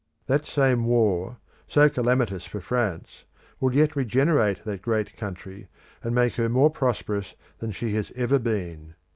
That same war, so calamitous for France, will yet regenerate that great country, and make her more prosperous than she has ever been.